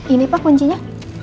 ini pak kuncinya